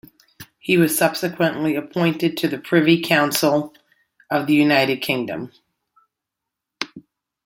He was subsequently appointed to the Privy Council of the United Kingdom.